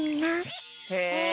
へえ！